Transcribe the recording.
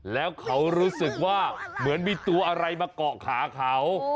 แล้วเขารู้สึกว่าเหมือนมีตัวอะไรมาเกาะขาเขา